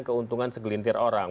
keuntungan segelintir orang